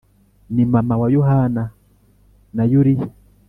ni mama wa yohana na yuliya